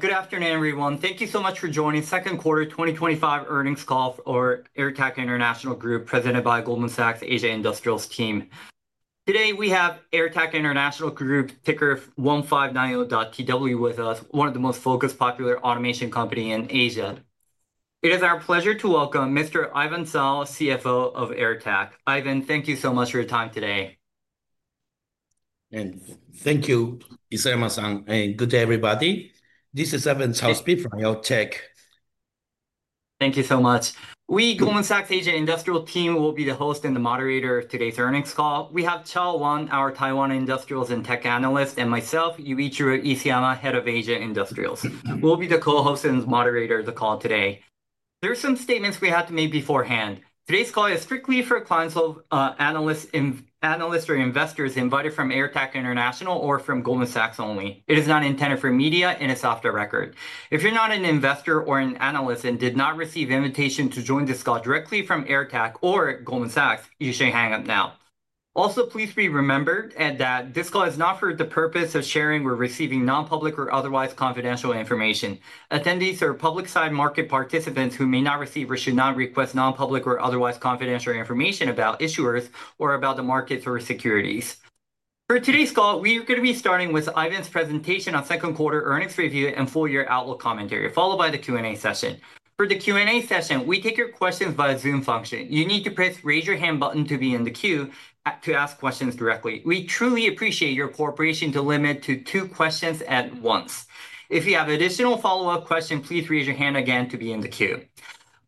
Good afternoon, everyone. Thank you so much for joining the second quarter 2025 earnings call for AirTAC International Group, presented by Goldman Sachs Asia Industrials team. Today, we have AirTAC International Group, ticker 1590.TW, with us, one of the most focused, popular automation companies in Asia. It is our pleasure to welcome Mr. Ivan Tsao, CFO of AirTAC. Ivan, thank you so much for your time today. Thank you, Isayama-san, and good day, everybody. This is Ivan Tsao speaking from AirTAC International Group. Thank you so much. We, Goldman Sachs Asia Industrials team, will be the host and the moderator of today's earnings call. We have Tsao Wang, our Taiwan Industrials and Tech Analyst, and myself, Yuichiro Isayama, Head of Asia Industrials. We'll be the co-host and moderator of the call today. There are some statements we have to make beforehand. Today's call is strictly for clients, analysts, or investors invited from AirTAC International Group or from Goldman Sachs only. It is not intended for media and a soft record. If you're not an investor or an analyst and did not receive an invitation to join this call directly from AirTAC or Goldman Sachs, you should hang up now. Also, please be remembered that this call is not for the purpose of sharing or receiving non-public or otherwise confidential information. Attendees are public side market participants who may not receive or should not request non-public or otherwise confidential information about issuers or about the markets or securities. For today's call, we are going to be starting with Ivan's presentation on second quarter earnings review and full-year outlook commentary, followed by the Q&A session. For the Q&A session, we take your questions via Zoom function. You need to press the raise your hand button to be in the queue to ask questions directly. We truly appreciate your cooperation to limit to two questions at once. If you have additional follow-up questions, please raise your hand again to be in the queue.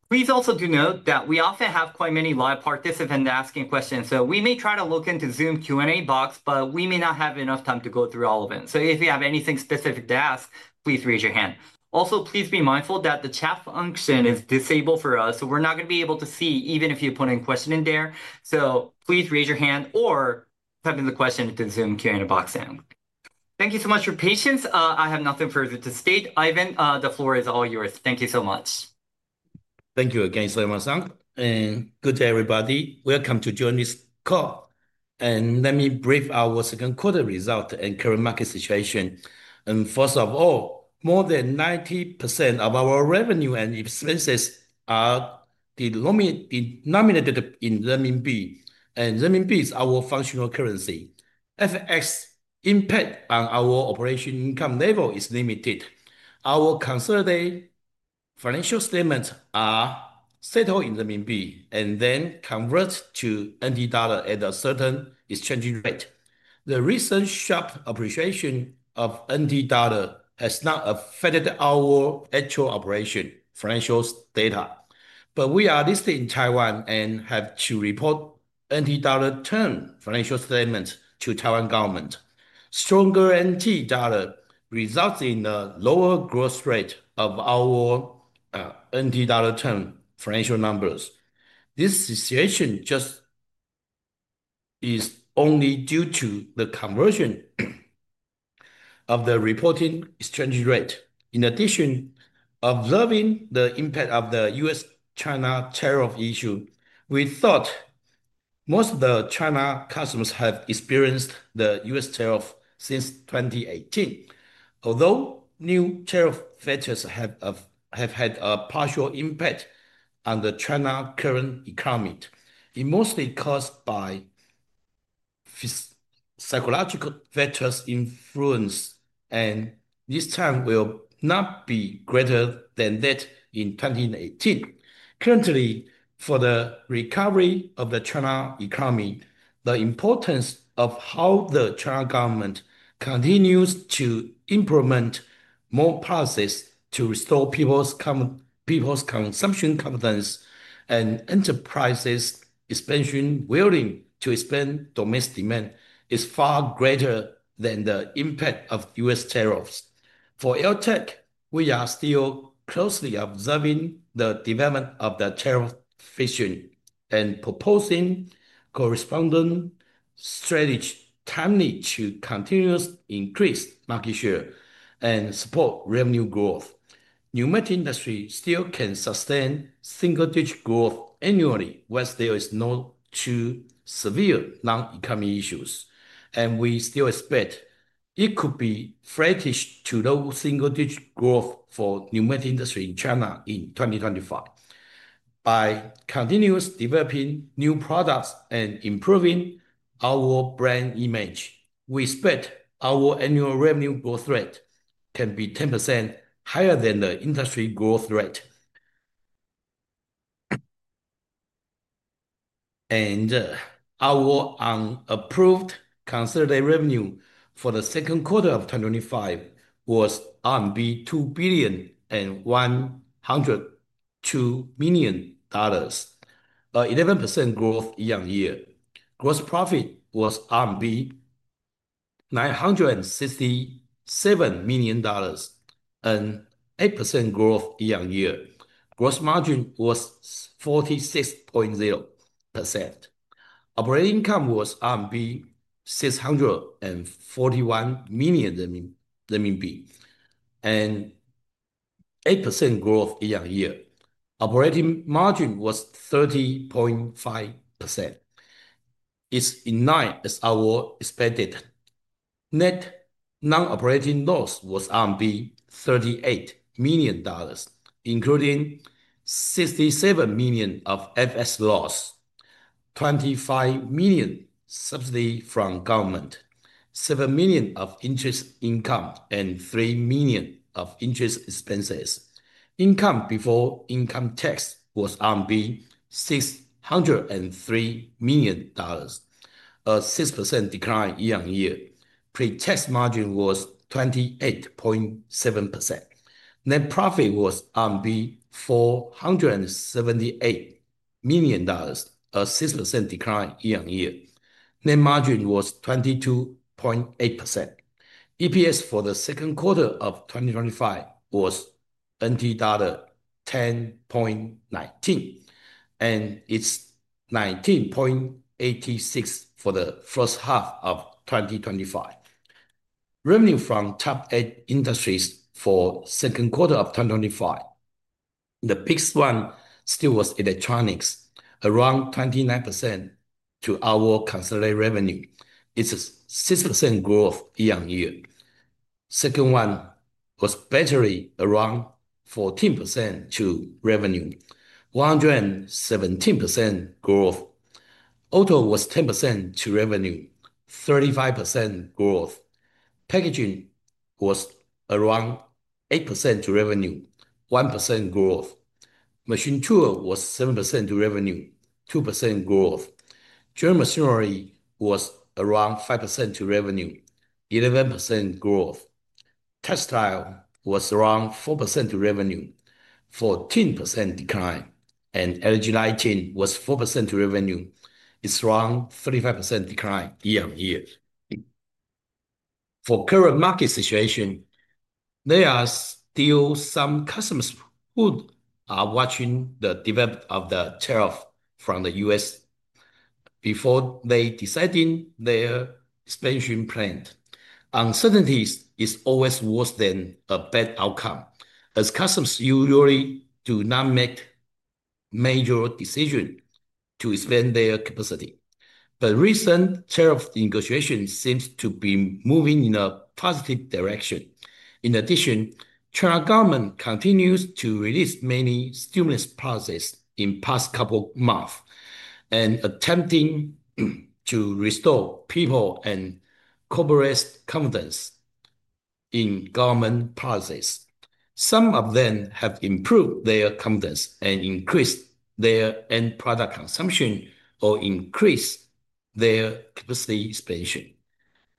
Please also do note that we often have quite many live participants asking questions, so we may try to look into the Zoom Q&A box, but we may not have enough time to go through all of them. If you have anything specific to ask, please raise your hand. Also, please be mindful that the chat function is disabled for us, so we're not going to be able to see even if you put in a question in there. Please raise your hand or type in the question to the Zoom Q&A box. Thank you so much for your patience. I have nothing further to state. Ivan, the floor is all yours. Thank you so much. Thank you again, Isayama-san, and good day, everybody. Welcome to join this call. Let me brief our second quarter results and current market situation. First of all, more than 90% of our revenue and expenses are denominated in Renminbi, and Renminbi is our functional currency. FX impact on our operating income level is limited. Our consolidated financial statements are settled in Renminbi and then converted to NT dollar at a certain exchange rate. The recent sharp appreciation of NT dollar has not affected our actual operating financial status, but we are listed in Taiwan and have to report NT dollar term financial statements to the Taiwan government. Stronger NT dollar results in a lower growth rate of our NT dollar term financial numbers. This situation is only due to the conversion of the reporting exchange rate. In addition, observing the impact of the U.S.-China tariff issue, we thought most of the China customers have experienced the U.S. tariff since 2018. Although new tariff factors have had a partial impact on China's current economy, it's mostly caused by psychological factors' influence, and this time will not be greater than that in 2018. Currently, for the recovery of the China economy, the importance of how the China government continues to implement more policies to restore people's consumption competence and enterprises' willingness to expand domestic demand is far greater than the impact of U.S. tariffs. For AirTAC, we are still closely observing the development of the tariff fixation and proposing a corresponding strategy timely to continue to increase market share and support revenue growth. The Pneumatic industry still can sustain single-digit growth annually once there are no too severe non-economic issues, and we still expect it could be flat to low single-digit growth for the Pneumatic industry in China in 2025. By continuously developing new products and improving our brand image, we expect our annual revenue growth rate to be 10% higher than the industry growth rate. Our approved consolidated revenue for the second quarter of 2025 was RMB 2.102 billion, an 11% growth year-on-year. Gross profit was RMB 967 million, an 8% growth year-on-year. Gross margin was 46.0%. Operating income was RMB 641 million and 8% growth year-on-year. Operating margin was 30.5%. It's in line with our expected net non-operating loss was RMB 38 million, including 67 million of FX loss, 25 million subsidy from government, 7 million of interest income, and 3 million of interest expenses. Income before income tax was RMB 603 million, a 6% decline year-on-year. Pre-tax margin was 28.7%. Net profit was RMB 478 million, a 6% decline year-on-year. Net margin was 22.8%. EPS for the second quarter of 2025 was NTD 10.19, and it's NTD 19.86 for the first half of 2025. Revenue from top eight industries for the second quarter of 2025, the biggest one still was electronics, around 29% to our consolidated revenue. It's a 6% growth year-on-year. The second one was battery, around 14% to revenue, 117% growth. Auto was 10% to revenue, 35% growth. Packaging was around 8% to revenue, 1% growth. Machine tool was 7% to revenue, 2% growth. General machinery was around 5% to revenue, 11% growth. Textile was around 4% to revenue, 14% decline, and LG lighting was 4% to revenue. It's around 35% decline year-on-year. For the current market situation, there are still some customers who are watching the development of the tariff from the U.S. before they decide on their expansion plans. Uncertainty is always worse than a bad outcome, as customers usually do not make major decisions to expand their capacity. Recent tariff negotiations seem to be moving in a positive direction. In addition, the China government continues to release many stimulus policies in the past couple of months and attempts to restore people and corporate confidence in government policies. Some of them have improved their confidence and increased their end product consumption or increased their capacity expansion.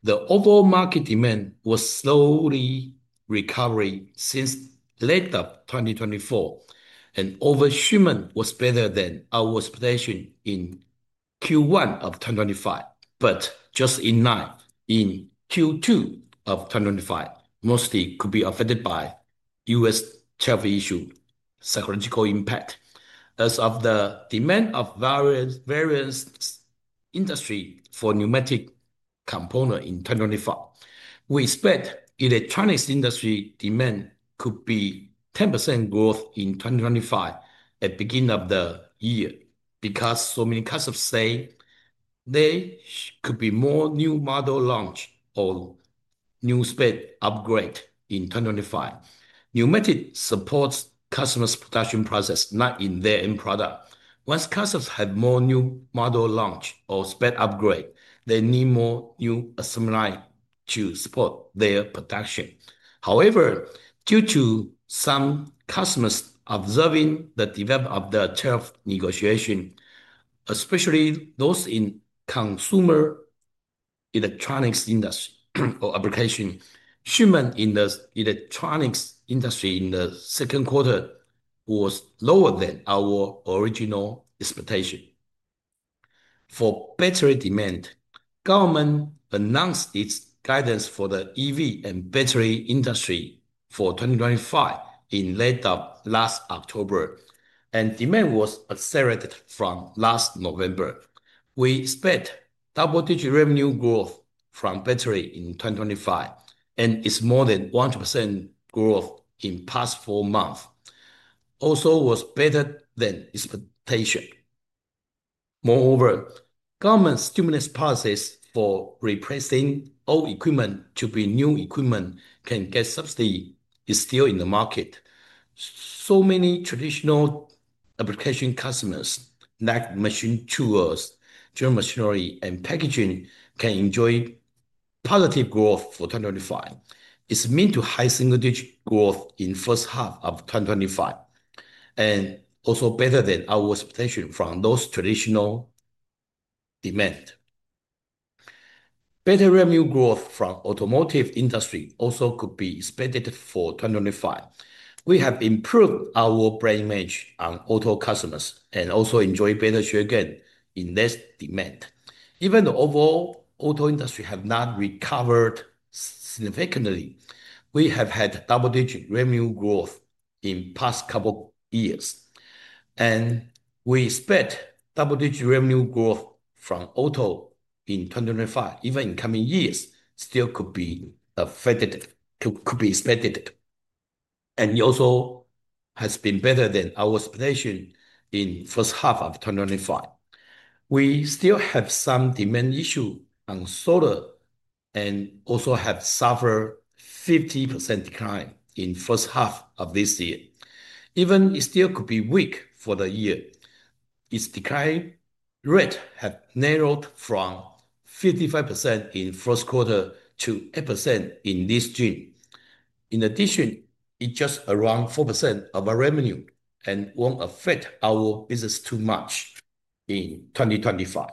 The overall market demand was slowly recovering since the late of 2024, and overall shipment was better than our expectations in Q1 of 2025. Just in line with Q2 of 2025, mostly could be affected by the U.S. tariff issue's psychological impact. As of the demand of various industries for Pneumatic components in 2025, we expect the electronics industry's demand could be 10% growth in 2025 at the beginning of the year because so many customers say there could be more new models launched or new specs upgraded in 2025. Pneumatic supports customers' production process, not in their end product. Once customers have more new models launched or specs upgraded, they need more new assembly lines to support their production. However, due to some customers observing the development of the tariff negotiations, especially those in the consumer electronics industry or applications, shipment in the electronics industry in the second quarter was lower than our original expectations. For battery demand, the government announced its guidance for the EV and battery industry for 2025 in late last October, and demand was accelerated from last November. We expect double-digit revenue growth from battery in 2025, and it's more than 1% growth in the past four months. Also, it was better than expectations. Moreover, government stimulus policies for replacing old equipment to be new equipment can get subsidies are still in the market. Many traditional application customers, like machine tools, general machinery, and packaging, can enjoy positive growth for 2025. It's meant to high single-digit growth in the first half of 2025, and also better than our expectations from those traditional demands. Battery revenue growth from the automotive industry also could be expected for 2025. We have improved our brand image on auto customers and also enjoy better share again in less demand. Even the overall auto industry has not recovered significantly. We have had double-digit revenue growth in the past couple of years, and we expect double-digit revenue growth from auto in 2025. Even in the coming years, it still could be expected, and it also has been better than our expectations in the first half of 2025. We still have some demand issues on solar and also have suffered a 50% decline in the first half of this year. Even it still could be weak for the year. Its decline rate has narrowed from 55% in the first quarter to 8% in this June. In addition, it's just around 4% of our revenue and won't affect our business too much in 2025.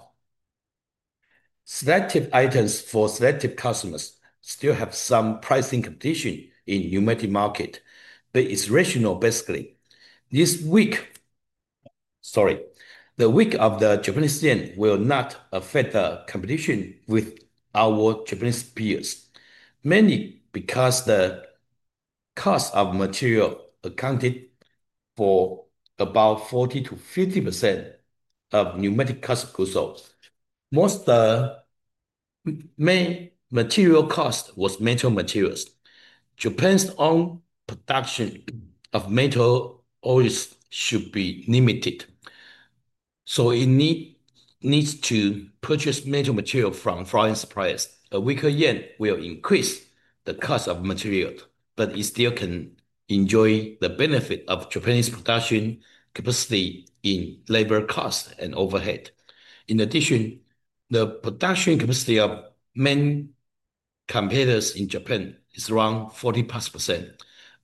Selective items for selective customers still have some pricing competition in the Pneumatic market, but it's rational, basically. The weak Japanese yen will not affect the competition with our Japanese peers, mainly because the cost of materials accounted for about 40%-50% of Pneumatic customs. Also, most of the main material cost was metal materials. Japan's own production of metal always should be limited, so it needs to purchase metal materials from foreign suppliers. A weaker yen will increase the cost of materials, but it still can enjoy the benefit of Japanese production capacity in labor costs and overhead. In addition, the production capacity of many competitors in Japan is around 40% plus.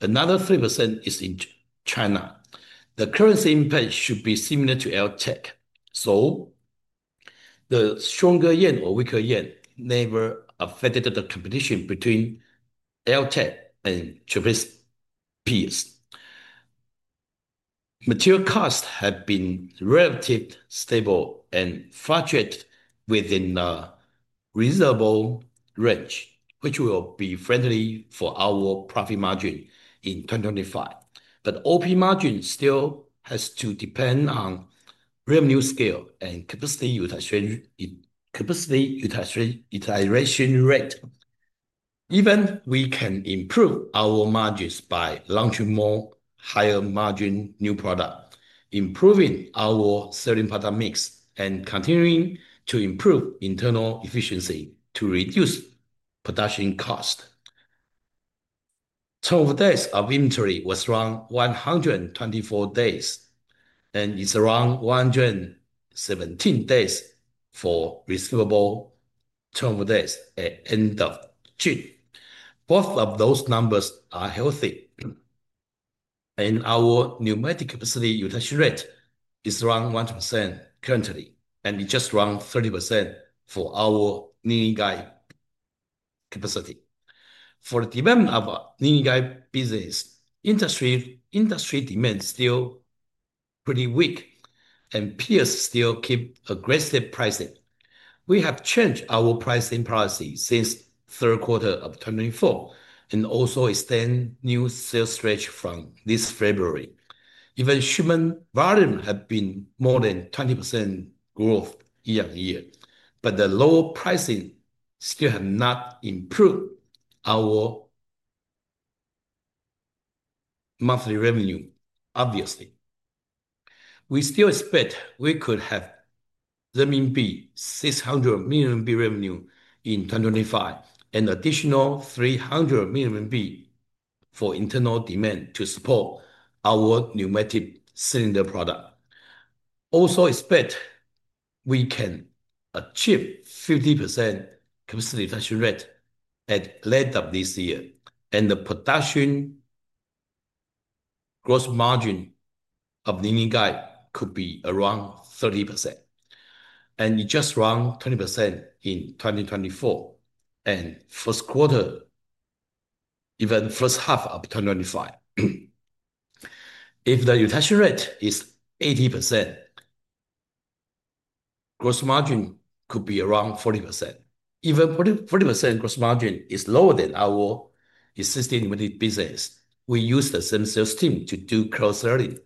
Another 3% is in China. The currency impact should be similar to AirTAC, so the stronger yen or weaker yen never affected the competition between AirTAC and Japanese peers. Material costs have been relatively stable and fluctuate within a reasonable range, which will be friendly for our profit margin in 2025. OP margin still has to depend on revenue scale and capacity utilization rate. Even we can improve our margins by launching more higher margin new products, improving our selling product mix, and continuing to improve internal efficiency to reduce production costs. Turnover days of inventory was around 124 days, and it's around 117 days for receivable turnover days at the end of June. Both of those numbers are healthy, and our Pneumatic capacity utilization rate is around 1% currently, and it's just around 30% for our Ningbo capacity. For the development of Ningbo business, industry demand is still pretty weak, and peers still keep aggressive pricing. We have changed our pricing policy since the third quarter of 2024 and also extend new sales stretch from this February. Even shipment volume has been more than 20% growth year-on-year, the lower pricing still has not improved our monthly revenue, obviously. We still expect we could have 600 million revenue in 2025 and additional 300 million for internal demand to support our Pneumatic cylinder product. Also, expect we can achieve 50% capacity utilization rate at the end of this year, and the production gross margin of Ningbo could be around 30%, and it's just around 20% in 2024 and first quarter, even first half of 2025. If the utilization rate is 80%, gross margin could be around 40%. Even 40% gross margin is lower than our existing Pneumatic business. We use the same sales team to do closed selling,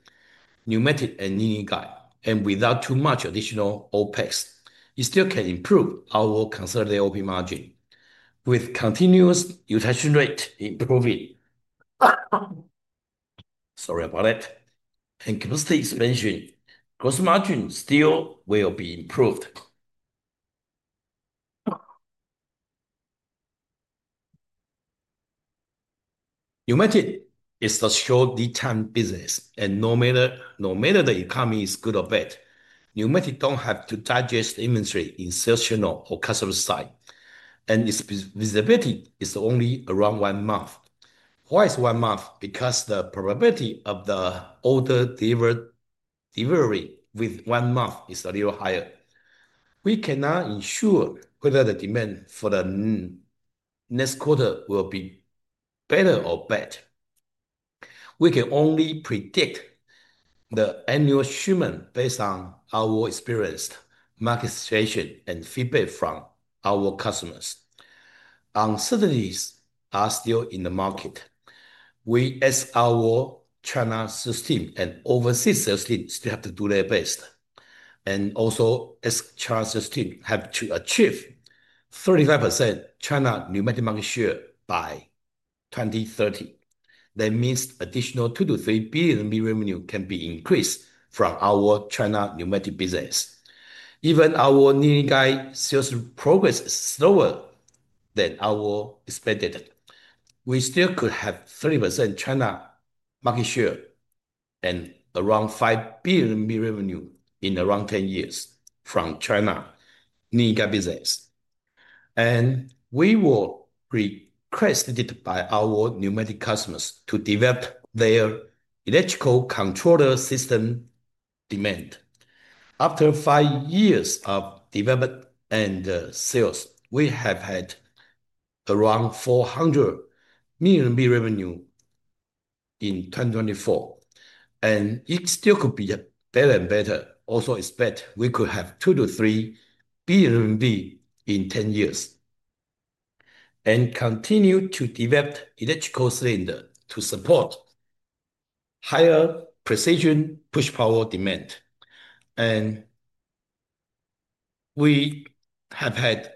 Pneumatic and Ningbo, and without too much additional OpEx, it still can improve our consolidated OP margin with continuous utilization rate improvement. Sorry about that. Capacity expansion, gross margin still will be improved. Pneumatic is the short lead-time business, and no matter the economy is good or bad, Pneumatic don't have to digest the inventory in sales channels or customer sites, and its visibility is only around one month. Why is one month? Because the probability of the order delivery with one month is a little higher. We cannot ensure whether the demand for the next quarter will be better or bad. We can only predict the annual shipment based on our experience, market situation, and feedback from our customers. Uncertainties are still in the market. We ask our China sales team and overseas sales team still have to do their best, and also ask China sales team have to achieve 35% China Pneumatic market share by 2030. That means additional 2-3 billion revenue can be increased from our China Pneumatic business. Even our Ningbo sales progress is slower than our expected. We still could have 30% China market share and around 5 billion revenue in around 10 years from China Ningbo business. We were requested by our Pneumatic customers to develop their electrical controller system demand. After five years of development and sales, we have had around 400 million revenue in 2024, and it still could be better and better. We also expect we could have 2-3 billion in 10 years and continue to develop electrical cylinders to support higher precision push power demand. We have had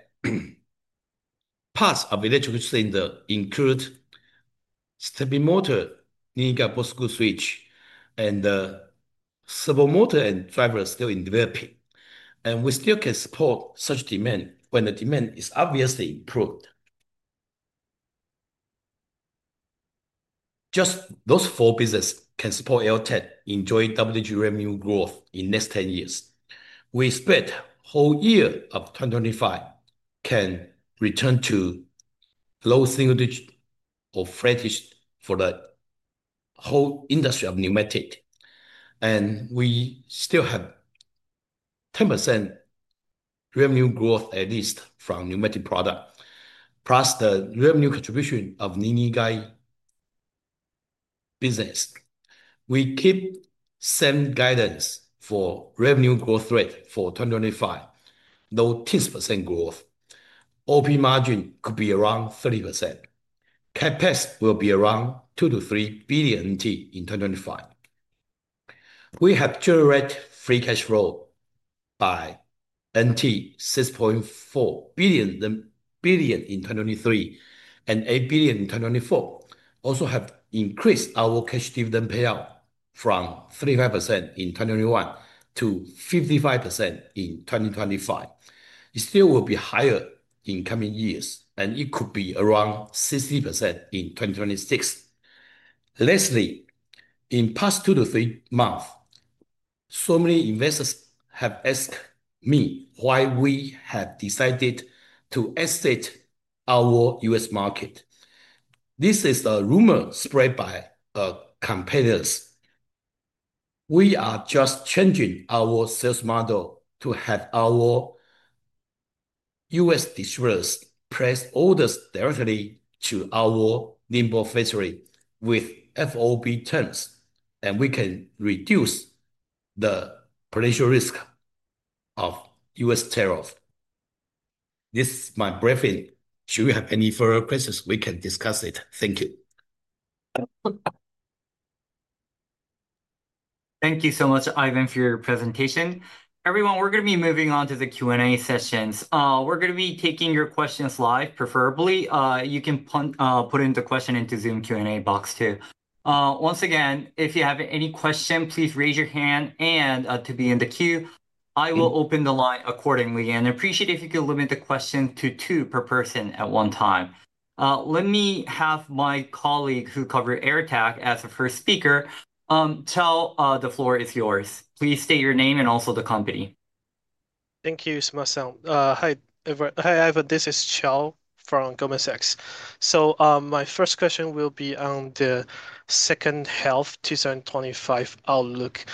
parts of electrical cylinders include stepping motor, Ningbo proximity switch, and the servo motor and driver still in development. We still can support such demand when the demand is obviously improved. Just those four businesses can support AirTAC enjoying double-digit revenue growth in the next 10 years. We expect the whole year of 2025 can return to low single-digit or flat digit for the whole industry of Pneumatic, and we still have 10% revenue growth at least from Pneumatic products plus the revenue contribution of Ningbo business. We keep the same guidance for revenue growth rate for 2025, though 10% growth. Operating margin could be around 30%. CapEx will be around NTD 2 billion-NTD 3 billion in 2025. We have generated free cash flow by NTD 6.4 billion in 2023 and NTD 8 billion in 2024. We also have increased our cash dividend payout from 35% in 2021 to 55% in 2025. It still will be higher in the coming years, and it could be around 60% in 2026. Lastly, in the past two to three months, so many investors have asked me why we have decided to exit our U.S. market. This is a rumor spread by competitors. We are just changing our sales model to have our U.S. distributors place orders directly to our Ningbo factory with FOB terms, and we can reduce the potential risk of U.S. tariffs. This is my briefing. Should you have any further questions, we can discuss it. Thank you. Thank you so much, Ivan, for your presentation. Everyone, we're going to be moving on to the Q&A sessions. We're going to be taking your questions live, preferably. You can put in the question into the Zoom Q&A box too. Once again, if you have any questions, please raise your hand to be in the queue. I will open the line accordingly. I appreciate if you could limit the question to two per person at one time. Let me have my colleague who covered AirTAC as the first speaker. The floor is yours. Please state your name and also the company. Thank you, Isayama-san. Hi, everyone. Hi, Ivan. This is Tsao from Goldman Sachs. My first question will be on the second half 2025 outlook.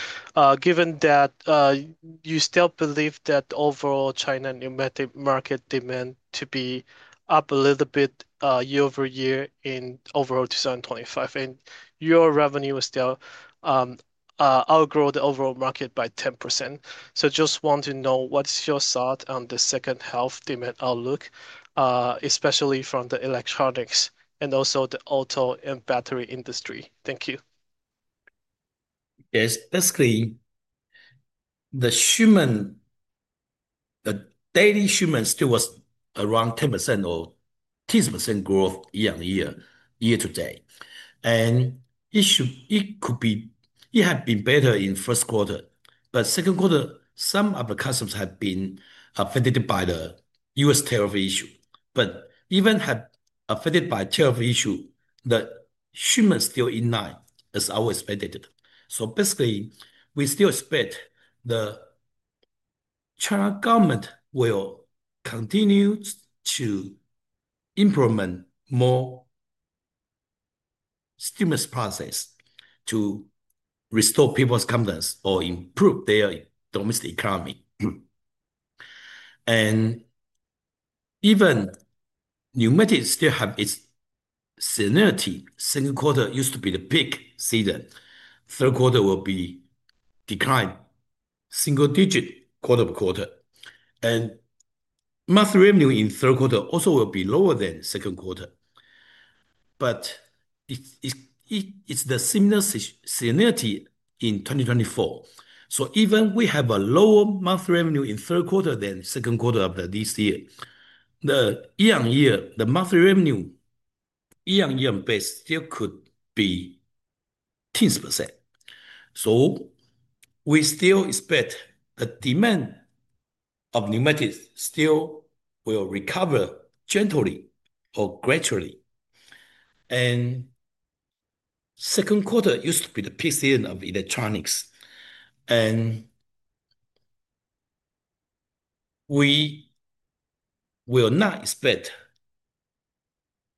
Given that you still believe that overall China Pneumatic market demand to be up a little bit year over year in overall 2025, and your revenue still outgrow the overall market by 10%, I just want to know what's your thought on the second half demand outlook, especially from the electronics and also the auto and battery industry. Thank you. Yes, basically, the shipment, the daily shipment still was around 10% or 10% growth year-on-year year to date. It could be, it had been better in the first quarter, but second quarter, some of the customers have been affected by the U.S. tariff issue. Even affected by tariff issue, the shipment is still in line as always affected. Basically, we still expect the China government will continue to implement more stimulus policies to restore people's confidence or improve their domestic economy. Even Pneumatic still have its similarity. The second quarter used to be the peak season. The third quarter will be declining single-digit quarter over quarter. Monthly revenue in the third quarter also will be lower than the second quarter. It's the similarity in 2024. Even we have a lower monthly revenue in the third quarter than the second quarter of this year, the year-on-year, the monthly revenue year-on-year base still could be 10%. We still expect the demand of Pneumatic still will recover gently or gradually. The second quarter used to be the peak season of electronics. We will not expect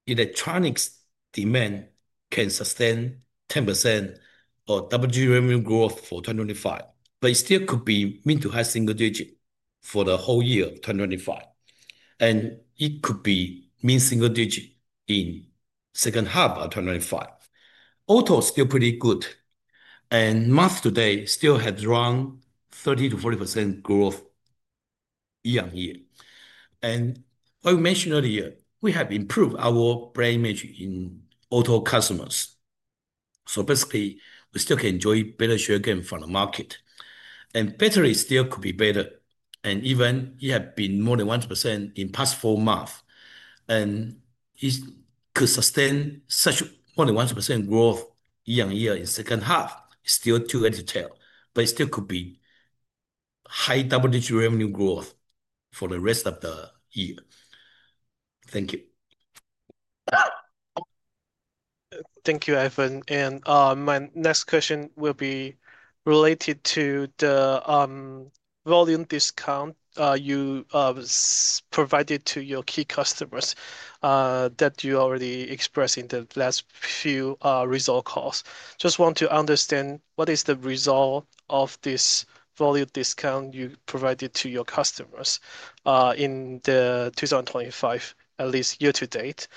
electronics demand can sustain 10% or double-digit revenue growth for 2025. It still could be mean to have single-digit for the whole year of 2025. It could be mean single-digit in the second half of 2025. Auto is still pretty good. Month to date still has around 30%-40% growth year-on-year. I mentioned earlier, we have improved our brand image in auto customers. Basically, we still can enjoy better share again from the market. Battery still could be better. Even it has been more than 1% in the past four months. It could sustain such more than 1% growth year-on-year in the second half. It's still too early to tell. It still could be high double-digit revenue growth for the rest of the year. Thank you. Thank you, Ivan. My next question will be related to the volume discount you provided to your key customers that you already expressed in the last few results calls. I just want to understand what is the result of this volume discount you provided to your customers in 2025, at least year to date.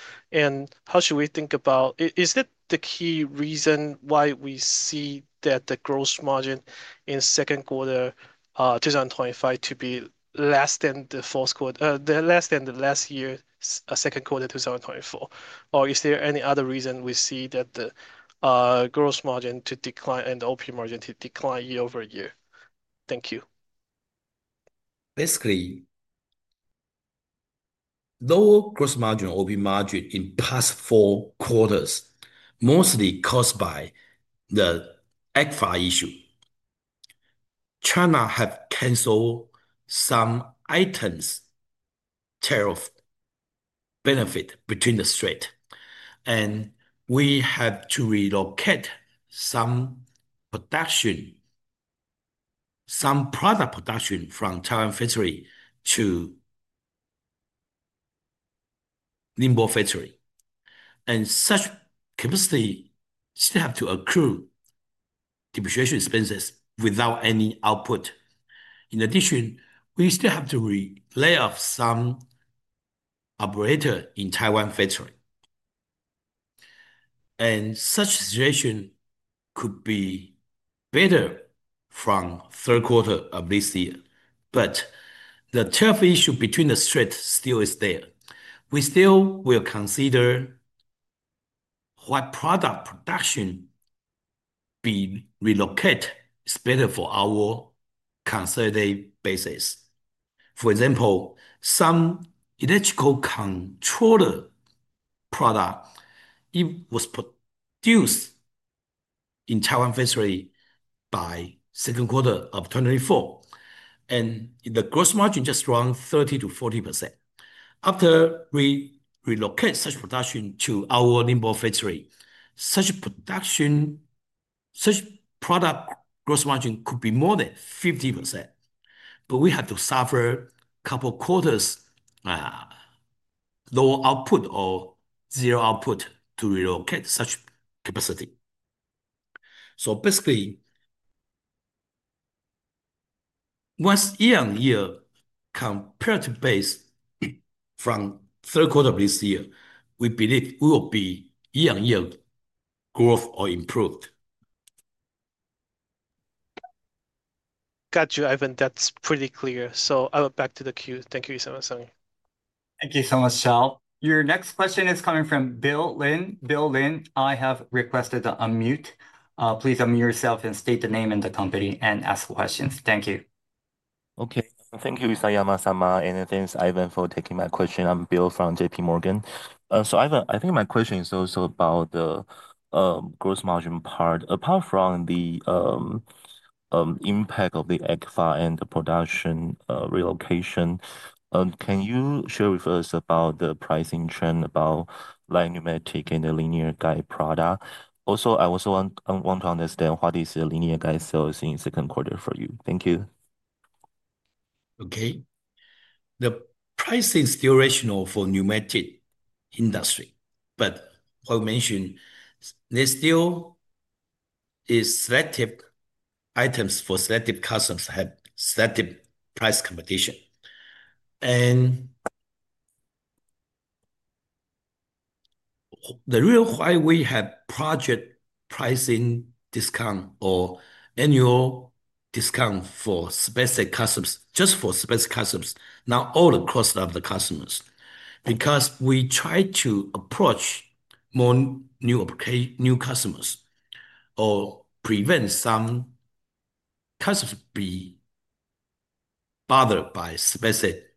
How should we think about, is that the key reason why we see that the gross margin in the second quarter of 2025 to be less than the fourth quarter, less than the last year, second quarter of 2024? Is there any other reason we see that the gross margin to decline and the OP margin to decline year over year? Thank you. Basically, lower gross margin or OP margin in the past four quarters, mostly caused by the ECFA issue. China has canceled some items' tariff benefits between the states. We have to relocate some product production from Taiwan factory to Ningbo factory, and such capacity still has to accrue depreciation expenses without any output. In addition, we still have to lay off some operators in Taiwan factory. Such situation could be better from the third quarter of this year. The tariff issue between the states still is there. We still will consider what product production being relocated is better for our consolidated basis. For example, some electrical controller product, it was produced in Taiwan factory by the second quarter of 2024, and the gross margin just around 30%-40%. After we relocate such production to our Ningbo factory, such product gross margin could be more than 50%. We have to suffer a couple of quarters lower output or zero output to relocate such capacity. Basically, once year-on-year compared to base from the third quarter of this year, we believe we will be year-on-year growth or improved. Got you, Ivan. That's pretty clear. I'm back to the queue. Thank you, Isayama-san. Thank you so much, Tsao. Your next question is coming from Bill Lin. Bill Lin, I have requested to unmute. Please unmute yourself and state the name and the company and ask questions. Thank you. Okay. Thank you, Isayama-sama, and thanks, Ivan, for taking my question. I'm Bill from JPMorgan. Ivan, I think my question is also about the gross margin part. Apart from the impact of the ECFA and the production relocation, can you share with us about the pricing trend about light Pneumatic and the Linear Guide product? I also want to understand what is the Linear Guide sales in the second quarter for you. Thank you. Okay. The price is still rational for the Pneumatic industry. What I mentioned, there's still selective items for selective customers that have selective price competition. The reason why we have project pricing discounts or annual discounts for specific customers, just for specific customers, not all the customers, is because we try to approach more new customers or prevent some customers from being bothered by specific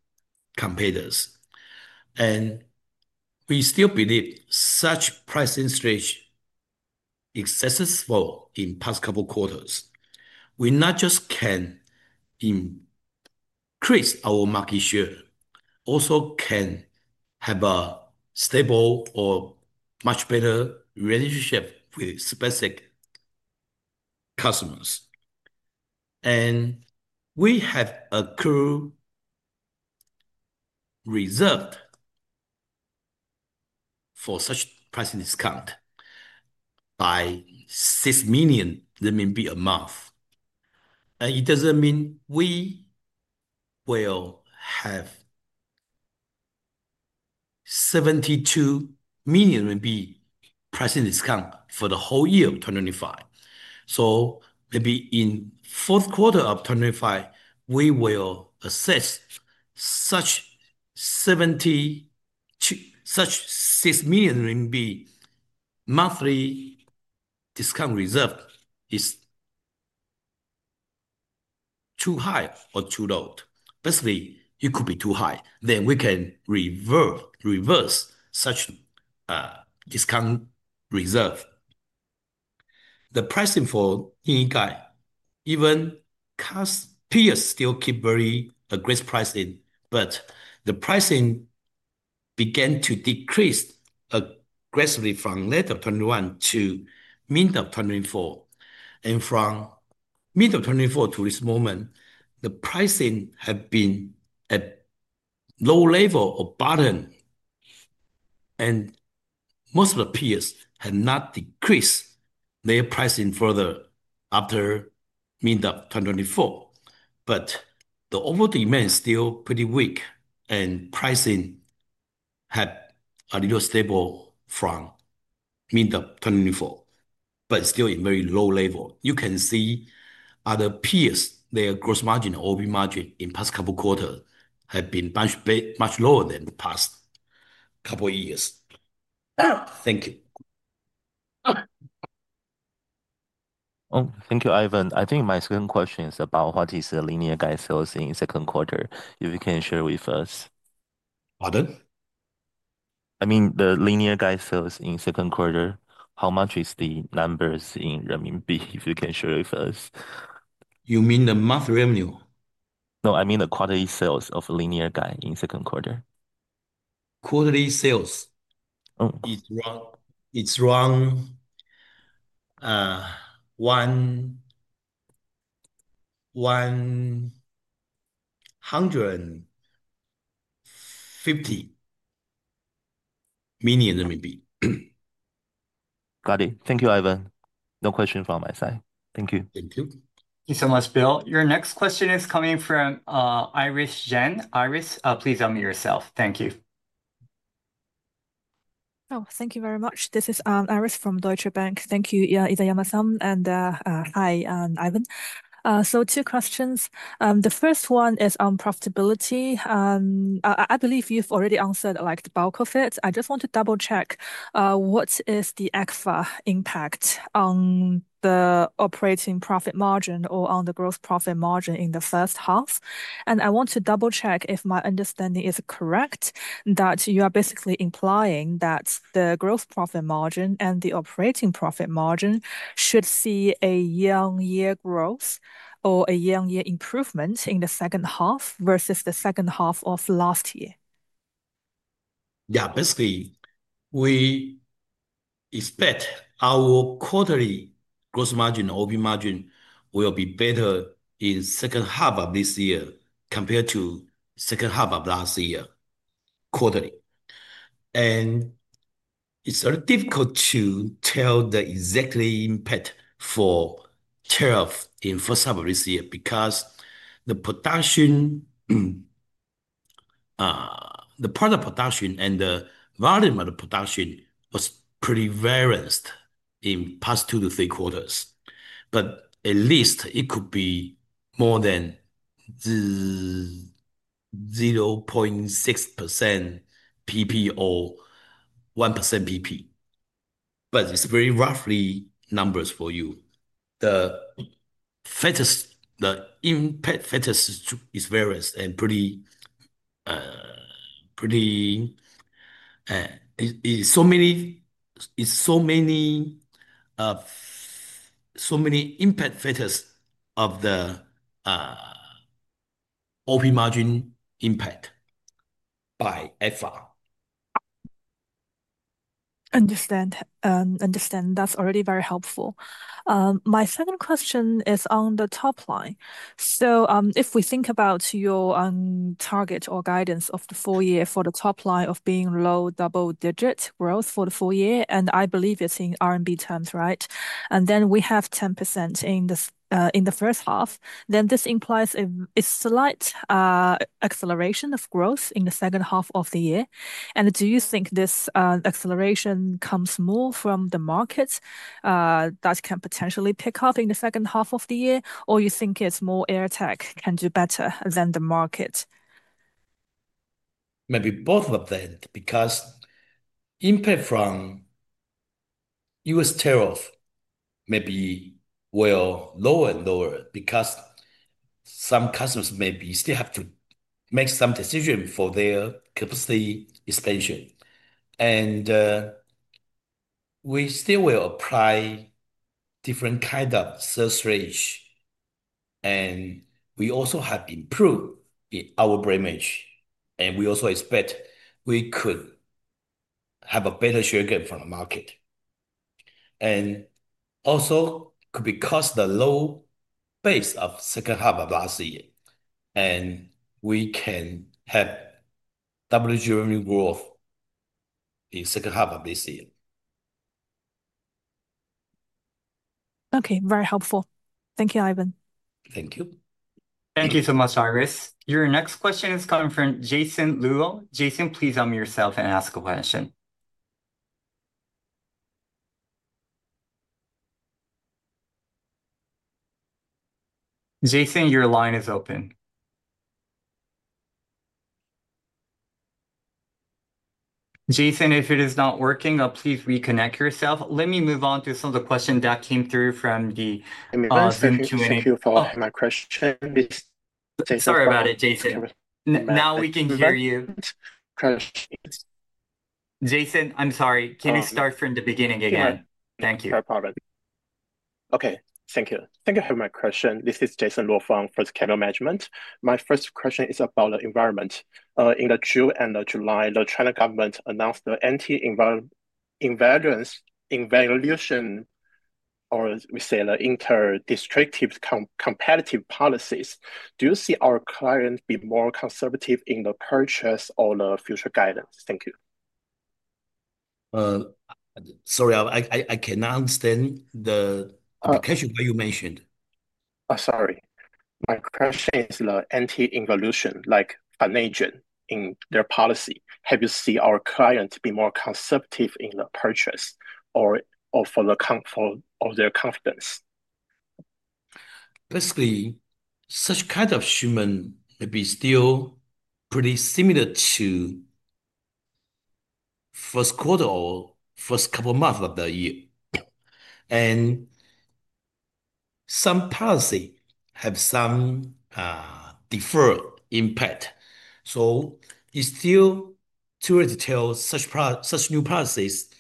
competitors. We still believe such pricing strategies are successful in the past couple of quarters. We not just can increase our market share, we also can have a stable or much better relationship with specific customers. We have accrued reserves for such pricing discounts by 6 million a month. It doesn't mean we will have 72 million RMB pricing discounts for the whole year of 2025. Maybe in the fourth quarter of 2025, we will assess if such RMB 6 million monthly discount reserve is too high or too low. Basically, it could be too high. We can reverse such discount reserve. The pricing for Ningbo, even peers still keep very aggressive pricing, but the pricing began to decrease aggressively from the end of 2021 to the middle of 2024. From the middle of 2024 to this moment, the pricing has been at a low level or bottom, and most of the peers have not decreased their pricing further after the middle of 2024. The overall demand is still pretty weak, and pricing has been a little stable from the middle of 2024, but still at a very low level. You can see other peers, their gross margin or operating margin in the past couple of quarters has been much lower than the past couple of years. Thank you. Oh, thank you, Ivan. I think my second question is about what is the Linear Guide sales in the second quarter, if you can share with us. Pardon? I mean, the Linear Guide sales in the second quarter, how much is the number in Renminbi, if you can share with us? You mean the monthly revenue? No, I mean the quarterly sales of Linear Guide in the second quarter. Quarterly sales is around RMB 150 million. Got it. Thank you, Ivan. No question from my side. Thank you. Thank you. Thank you so much, Bill. Your next question is coming from Iris Zhen. Iris, please unmute yourself. Thank you. Oh, thank you very much. This is Iris from Deutsche Bank. Thank you, Isayama-sama, and hi, Ivan. Two questions. The first one is on profitability. I believe you've already answered about the bulk of it. I just want to double-check, what is the ECFA impact on the operating profit margin or on the gross profit margin in the first half? I want to double-check if my understanding is correct that you are basically implying that the gross profit margin and the operating profit margin should see a year-on-year growth or a year-on-year improvement in the second half versus the second half of last year? Yeah, basically, we expect our quarterly gross margin or OP margin will be better in the second half of this year compared to the second half of last year, quarterly. It's very difficult to tell the exact impact for tariff in the first half of this year because the product production and the volume of the production was pretty various in the past two to three quarters. At least it could be more than 0.6% PP or 1% PP. It's very roughly numbers for you. The impact factors are various and pretty, it's so many impact factors of the OP margin impact by ECFA. Understand. That's already very helpful. My second question is on the top line. If we think about your target or guidance of the full year for the top line of being low double-digit growth for the full year, and I believe it's in Renminbi terms, right? We have 10% in the first half. This implies a slight acceleration of growth in the second half of the year. Do you think this acceleration comes more from the market that can potentially pick up in the second half of the year, or do you think it's more AirTAC can do better than the market? Maybe both of them, because the impact from U.S. tariff may be lower and lower because some customers may still have to make some decisions for their capacity expansion. We still will apply different kinds of sales strategies. We also have improved our brand image, and we also expect we could have a better share again from the market. It also could be because of the low base of the second half of last year. We can have double-digit revenue growth in the second half of this year. Okay, very helpful. Thank you, Ivan. Thank you. Thank you so much, Iris. Your next question is coming from Jason Luo. Jason, please unmute yourself and ask a question. Jason, your line is open. If it is not working, please reconnect yourself. Let me move on to some of the questions that came through from the Boston Q&A box. Sorry about it, Jason. Now we can hear you. Jason, I'm sorry. Can you start from the beginning again? Thank you. Okay. Thank you. Thank you for my question. This is Jason Luo Fang from Capital Management. My first question is about the environment. In June and July, the China government announced the anti-environmental or, we say, the inter-district competitive policies. Do you see our clients being more conservative in the purchase or the future guidance? Thank you. Sorry, I cannot understand the question that you mentioned. Sorry. My question is the anti-environmental like a nature in their policy. Have you seen our clients being more conservative in the purchase or for their confidence? Basically, such kind of shipment may be still pretty similar to the first quarter or the first couple of months of the year. Some policies have some deferred impact. It's still too early to tell if such new policies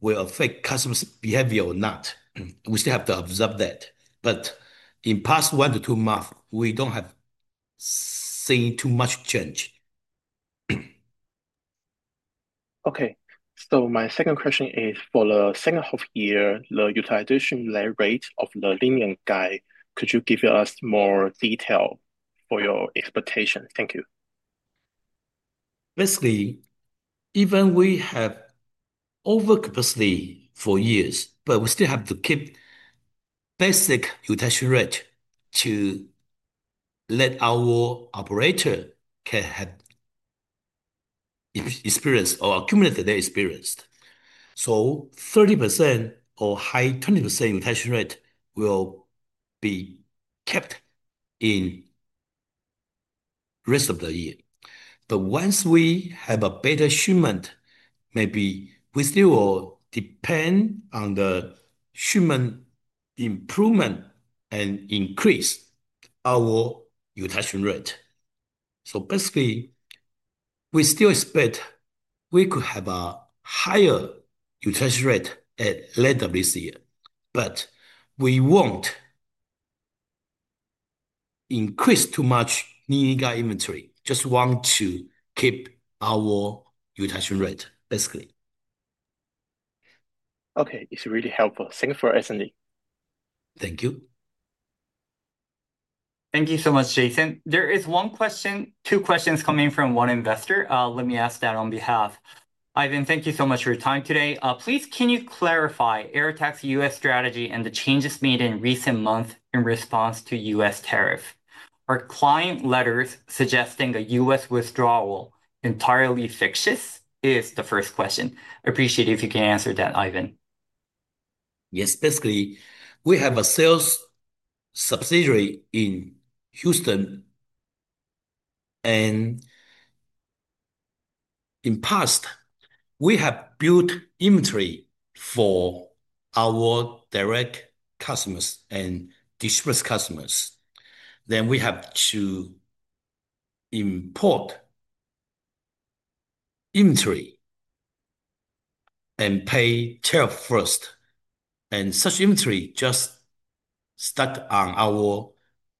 will affect customers' behavior or not. We still have to observe that. In the past one to two months, we haven't seen too much change. Okay. My second question is for the second half of the year, the utilization rate of the Linear Guide, could you give us more detail for your expectations? Thank you. Basically, even though we have overcapacity for years, we still have to keep basic utilization rate to let our operators can have experience or accumulate their experience. 30% or high 20% utilization rate will be kept in the rest of the year. Once we have a better shipment, maybe we still will depend on the shipment improvement and increase our utilization rate. We still expect we could have a higher utilization rate at the end of this year. We won't increase too much Linear Guide inventory, just want to keep our utilization rate, basically. Okay, it's really helpful. Thanks for listening. Thank you. Thank you so much, Jason. There is one question, two questions coming from one investor. Let me ask that on behalf of Ivan. Thank you so much for your time today. Please, can you clarify AirTAC's U.S. strategy and the changes made in recent months in response to U.S. tariffs? Our client letter suggesting a U.S. withdrawal is entirely fictitious is the first question. I appreciate it if you can answer that, Ivan. Yes, basically, we have a sales subsidiary in Houston. In the past, we have built inventory for our direct customers and distributor customers. We have to import inventory and pay tariff first. Such inventory just stays in our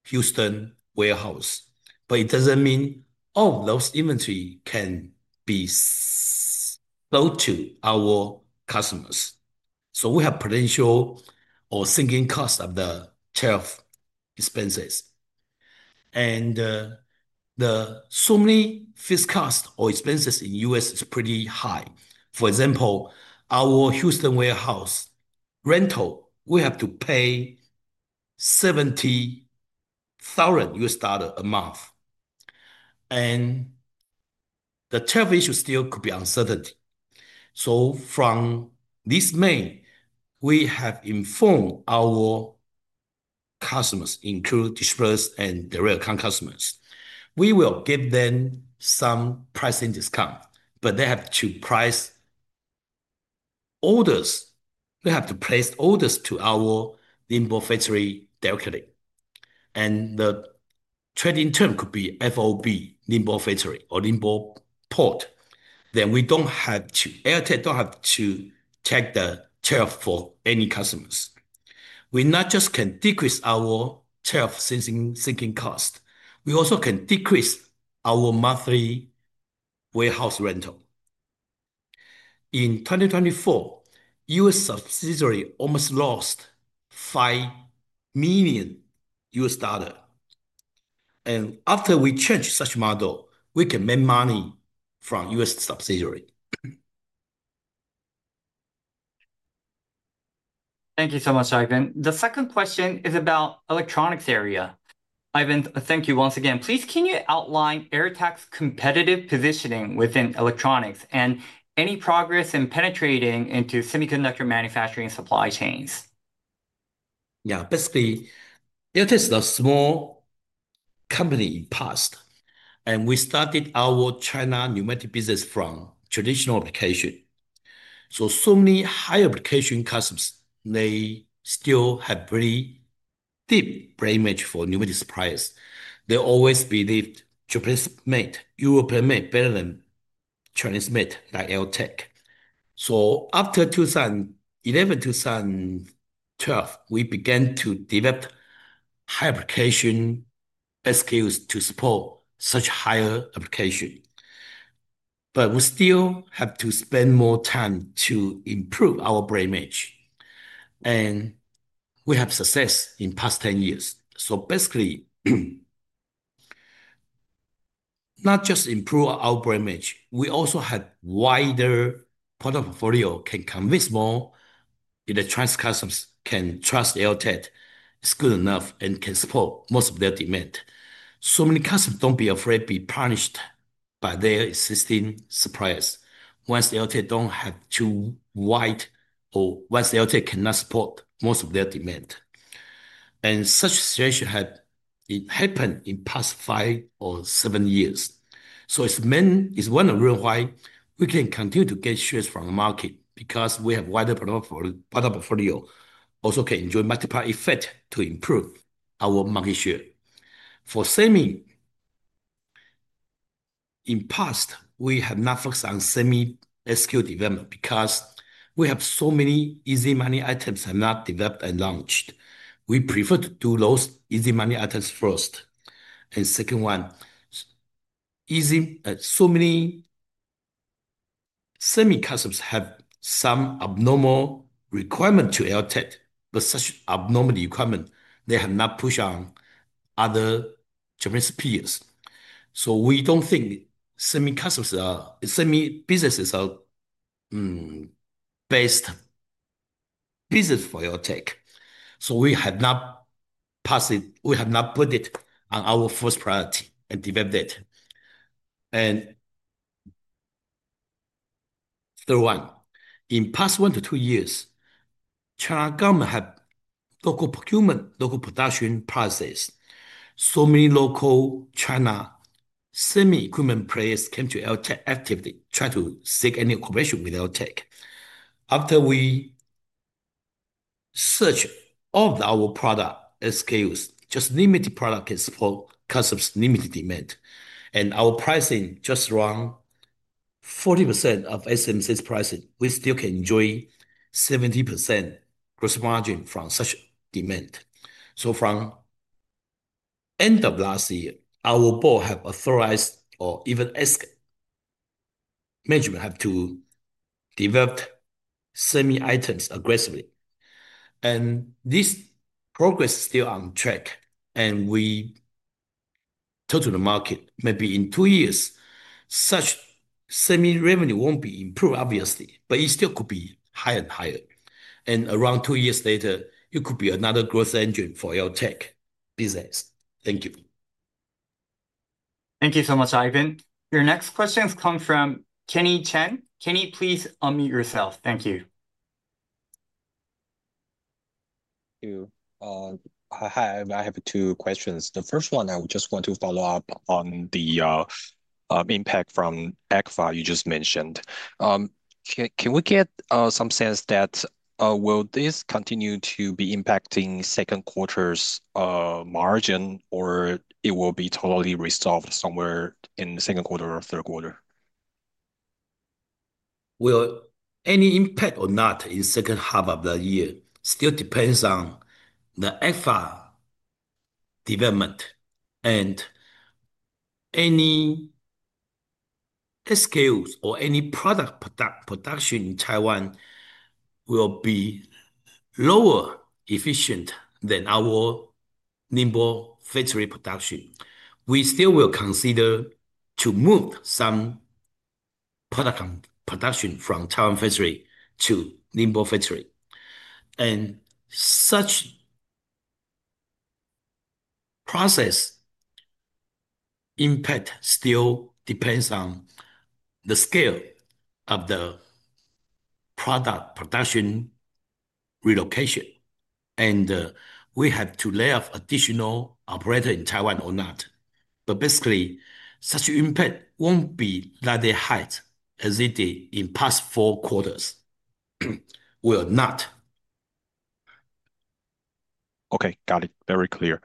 Houston warehouse. It doesn't mean all of those inventories can be sold to our customers. We have potential or sinking costs of the tariff expenses. Many fixed costs or expenses in the U.S. are pretty high. For example, our Houston warehouse rental, we have to pay $70,000 a month. The tariff issue still could be uncertain. From this May, we have informed our customers, including distributors and direct account customers, we will give them some pricing discounts, but they have to place orders to our Ningbo factory directly. The trading term could be FOB Ningbo factory or Ningbo port. AirTAC doesn't have to take the tariff for any customers. We not just can decrease our tariff sinking cost, we also can decrease our monthly warehouse rental. In 2024, U.S. subsidiary almost lost $5 million. After we change such model, we can make money from U.S. subsidiary. Thank you so much, Ivan. The second question is about the electronics area. Ivan, thank you once again. Please, can you outline AirTAC's competitive positioning within electronics and any progress in penetrating into semiconductor manufacturing supply chains? Yeah, basically, AirTAC was a small company in the past. We started our China Pneumatic business from traditional application. Many high application customers still have a pretty deep brand image for Pneumatic suppliers. They always believed Japanese-made, European-made are better than Chinese-made like AirTAC. After 2011, 2012, we began to develop high application SKUs to support such higher applications. We still have to spend more time to improve our brand image. We have success in the past 10 years. Basically, not just improve our brand image, we also have a wider product portfolio that can convince more electronics customers to trust AirTAC is good enough and can support most of their demand. Many customers don't be afraid to be punished by their existing suppliers once AirTAC doesn't have too wide or once AirTAC cannot support most of their demand. Such a situation happened in the past five or seven years. It's one of the reasons why we can continue to get shares from the market because we have a wider product portfolio. We also can enjoy multiply effect to improve our market share. For Semi, in the past, we have not focused on Semi-SKU development because we have so many easy money items that are not developed and launched. We prefer to do those easy money items first. The second one, many Semi-customers have some abnormal requirements to AirTAC, but such abnormal requirements, they have not pushed on other Japanese peers. We don't think Semi-customers are, Semi-businesses are the best business for AirTAC. We have not put it on our first priority and developed it. The third one, in the past one to two years, the China government had local procurement, local production process. Many local China Semi-equipment players came to AirTAC actively trying to seek any cooperation with AirTAC. After we searched all of our product SKUs, just limited products can support customers' limited demand. Our pricing is just around 40% of SMC's pricing. We still can enjoy 70% gross margin from such demand. From the end of last year, our board has authorized or even asked management to develop Semi-items aggressively. This progress is still on track. We talk to the market. Maybe in two years, such Semi-revenue won't be improved, obviously, but it still could be higher and higher. Around two years later, it could be another growth engine for AirTAC business. Thank you. Thank you so much, Ivan. Your next question has come from Kenny Chen. Kenny, please unmute yourself. Thank you. Hi, Ivan. I have two questions. The first one, I just want to follow up on the impact from ECFA you just mentioned. Can we get some sense that will this continue to be impacting second quarter's margin, or it will be totally resolved somewhere in the second quarter or third quarter? Any impact or not in the second half of the year still depends on the ECFA development. Any SKUs or any product production in Taiwan will be lower efficient than our Ningbo factory production. We still will consider to move some product production from Taiwan factory to Ningbo factory. Such process impact still depends on the scale of the product production relocation. We have to lay off additional operators in Taiwan or not. Basically, such impact won't be like the height as it did in the past four quarters. We are not. Okay, got it. Very clear.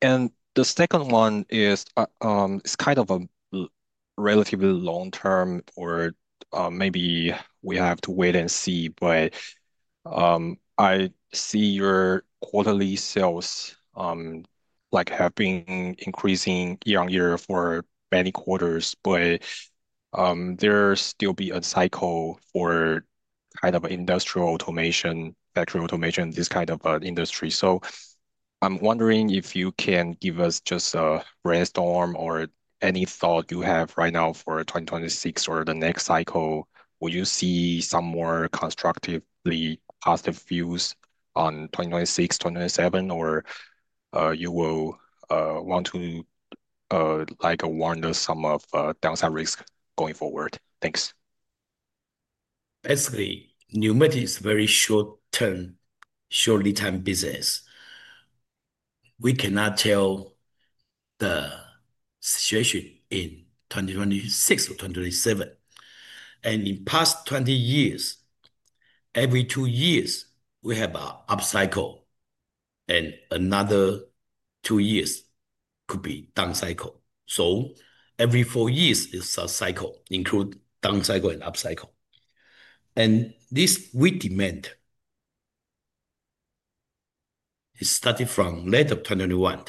The second one is kind of a relatively long-term, or maybe we have to wait and see. I see your quarterly sales have been increasing year on year for many quarters. There will still be a cycle for industrial automation, factory automation, this kind of an industry. I'm wondering if you can give us just a brainstorm or any thought you have right now for 2026 or the next cycle. Will you see some more constructively positive views on 2026, 2027, or do you want to warn us of some of the downside risk going forward? Thanks. Basically, Pneumatic is a very short-term, short lead-time business. We cannot tell the situation in 2026 or 2027. In the past 20 years, every two years, we have an upcycle, and another two years could be a down cycle. Every four years, it's a cycle, including down cycle and upcycle. This weak demand is starting from the end of 2021.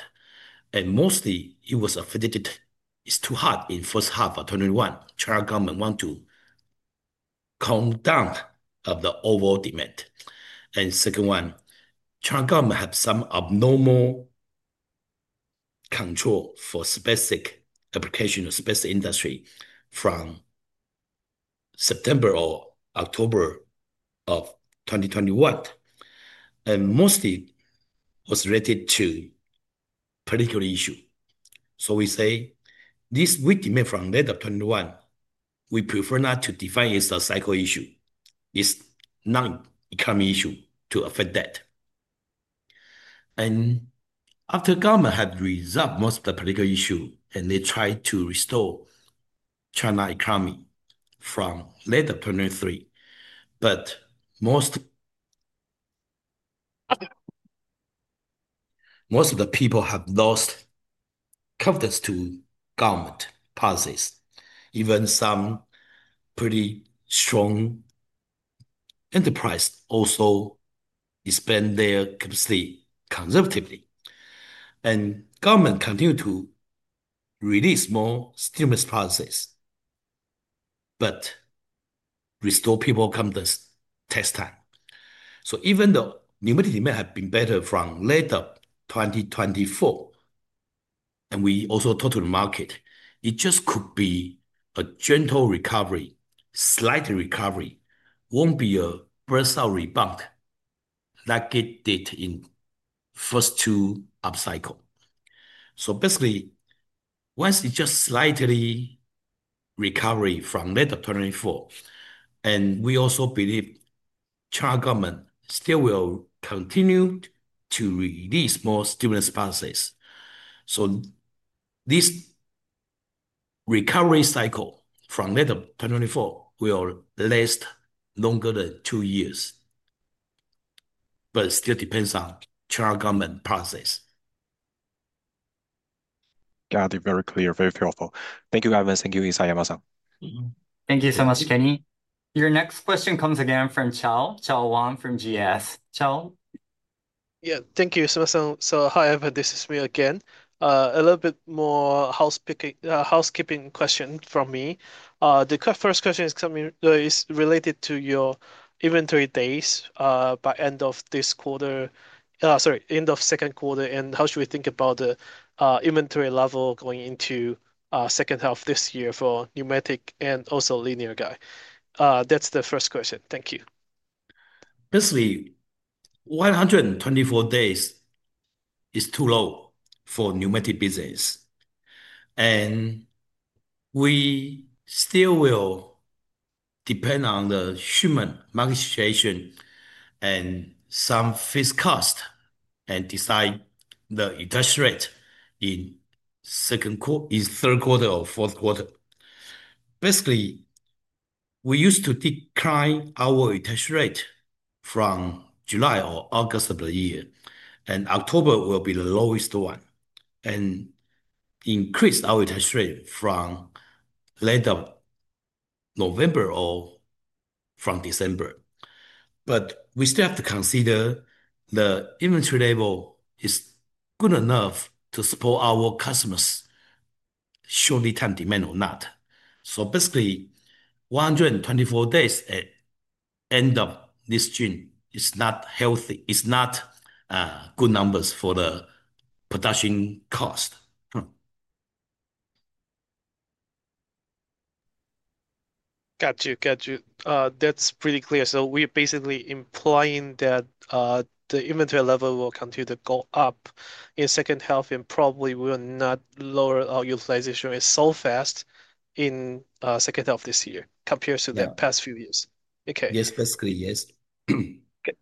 Mostly, it was affected because it was too hot in the first half of 2021. The China government wants to calm down the overall demand. The second one, the China government has some abnormal control for specific applications or specific industries from September or October of 2021. Mostly, it was related to a particular issue. We say this weak demand from the end of 2021, we prefer not to define it as a cycle issue. It's a non-economic issue to affect that. After the government has resolved most of the political issues, they try to restore the China economy from the end of 2023, but most of the people have lost confidence in government policies. Even some pretty strong enterprises also spend their capacity conservatively. The government continues to release more stimulus policies but restores people's confidence in tax time. Even though Pneumatic demand has been better from the end of 2024, and we also talk to the market, it just could be a gentle recovery, slight recovery. It won't be a burst-out rebound like it did in the first two upcycles. Basically, once it's just slightly recovered from the end of 2024, we also believe the China government still will continue to release more stimulus policies. This recovery cycle from the end of 2024 will last longer than two years, but it still depends on the China government policies. Got it. Very clear. Very powerful. Thank you, Ivan. Thank you, Isayama-sama. Thank you so much, Kenny. Your next question comes again from Tsao, Tsao Wang from Goldman Sachs. Tsao? Thank you, Isayama-san. Hi, Ivan. This is me again. A little bit more housekeeping question from me. The first question is related to your inventory days by the end of this quarter, sorry, end of the second quarter. How should we think about the inventory level going into the second half of this year for Pneumatic and also Linear Guide? That's the first question. Thank you. Basically, 124 days is too low for the Pneumatic business. We still will depend on the shipment market situation and some fixed costs and decide the index rate in the third quarter or fourth quarter. Basically, we used to decline our index rate from July or August of the year, and October will be the lowest one. We increased our index rate from the end of November or from December. We still have to consider if the inventory level is good enough to support our customers' short lead-time demand or not. Basically, 124 days at the end of this June is not healthy, is not good numbers for the production cost. Got you. That's pretty clear. We're basically implying that the inventory level will continue to go up in the second half and probably will not lower our utilization rate so fast in the second half of this year compared to the past few years. Okay. Yes, basically yes.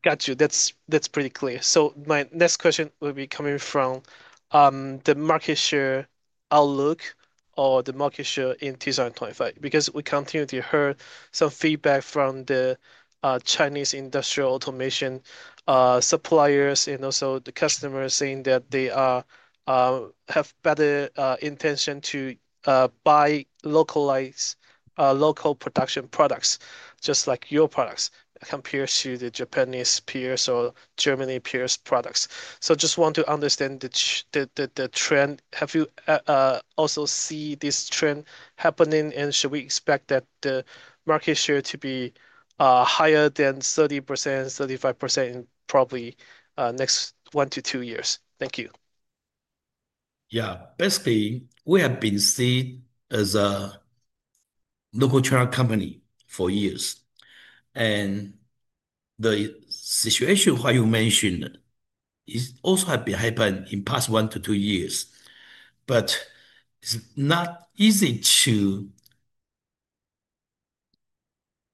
Got you. That's pretty clear. My next question will be coming from the market share outlook or the market share in 2025 because we continued to hear some feedback from the Chinese industrial automation suppliers and also the customers saying that they have a better intention to buy localized local production products, just like your products, compared to the Japanese peers or Germany peers' products. I just want to understand the trend. Have you also seen this trend happening? Should we expect the market share to be higher than 30%, 35% in probably the next one to two years? Thank you. Yeah, basically, we have been seen as a local China company for years. The situation you mentioned also has been happening in the past one to two years. It's not easy to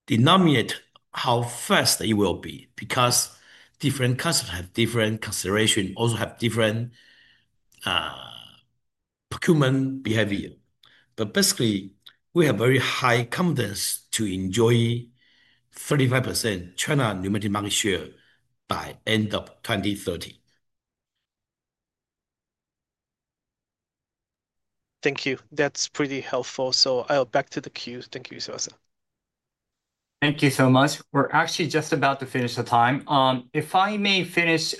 denominate how fast it will be because different customers have different considerations and also have different procurement behavior. Basically, we have very high confidence to enjoy 35% China Pneumatic market share by the end of 2030. Thank you. That's pretty helpful. I'll back to the queue. Thank you, Isayama-san. Thank you so much. We're actually just about to finish the time. If I may finish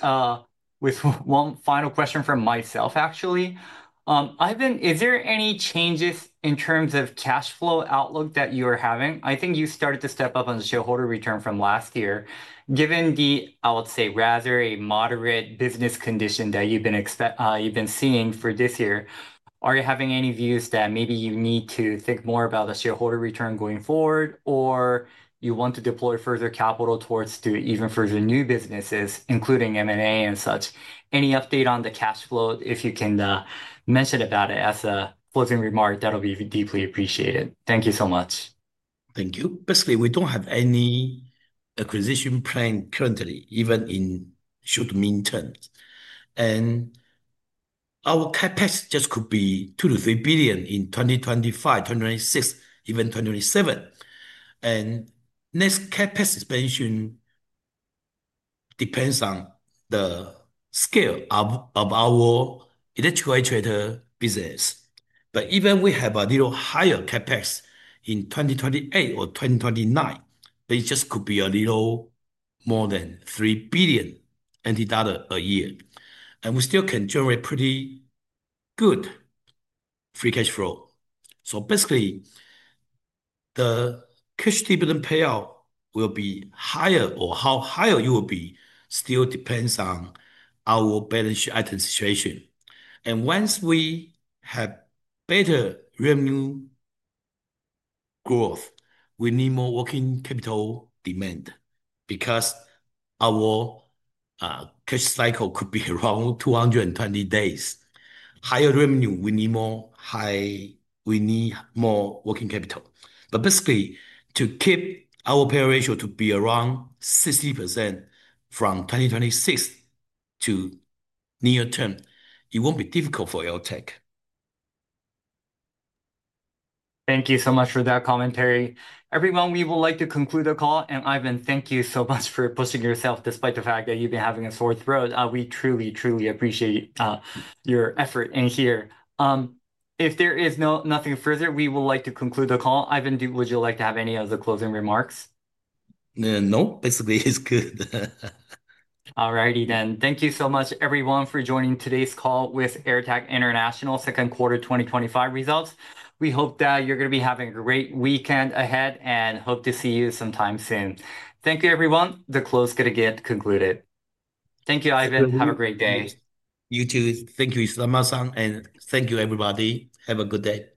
with one final question from myself, actually. Ivan, is there any changes in terms of cash flow outlook that you are having? I think you started to step up on the shareholder return from last year. Given the, I would say, rather a moderate business condition that you've been seeing for this year, are you having any views that maybe you need to think more about the shareholder return going forward, or you want to deploy further capital towards even further new businesses, including M&A and such? Any update on the cash flow? If you can mention about it as a closing remark, that'll be deeply appreciated. Thank you so much. Thank you. Basically, we don't have any acquisition plan currently, even in short or medium terms. Our CapEx just could be NTD 2 billion to NTD 3 billion in 2025, 2026, even 2027. The next CapEx expansion depends on the scale of our electrical actuator business. Even if we have a little higher CapEx in 2028 or 2029, it just could be a little more than NTD 3 billion a year. We still can generate pretty good free cash flow. Basically, the cash dividend payout will be higher or how higher it will be still depends on our balance sheet item situation. Once we have better revenue growth, we need more working capital demand because our cash cycle could be around 220 days. Higher revenue means we need more working capital. Basically, to keep our payout ratio to be around 60% from 2026 to the near term, it won't be difficult for AirTAC. Thank you so much for that commentary. Everyone, we would like to conclude the call. Ivan, thank you so much for pushing yourself despite the fact that you've been having a sore throat. We truly, truly appreciate your effort in here. If there is nothing further, we would like to conclude the call. Ivan, would you like to have any other closing remarks? No, basically it's good. All righty, then. Thank you so much, everyone, for joining today's call with AirTAC International Group second quarter 2025 results. We hope that you're going to be having a great weekend ahead and hope to see you sometime soon. Thank you, everyone. The close is going to get concluded. Thank you, Ivan. Have a great day. You too. Thank you, Isayama-sama, and thank you, everybody. Have a good day.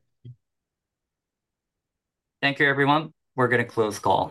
Thank you, everyone. We're going to close the call.